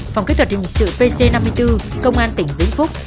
phòng kỹ thuật hình sự pc năm mươi bốn công an tỉnh vĩnh phúc